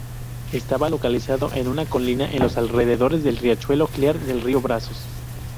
Estaba localizado en una colina en los alrededores del riachuelo Clear del río Brazos.